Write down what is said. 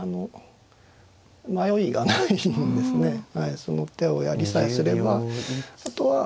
その手をやりさえすればあとはあの。